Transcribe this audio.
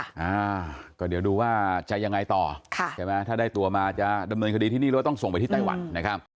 อ่าก็เดี๋ยวดูว่าจะยังไงต่อค่ะใช่ไหมถ้าได้ตัวมาจะดำเนินคดีที่นี่หรือว่าต้องส่งไปที่ไต้หวันนะครับ